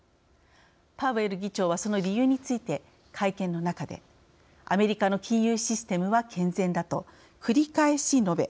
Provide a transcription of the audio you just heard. パウエル議長はその理由について会見の中で「アメリカの金融システムは健全だ」と繰り返し述べ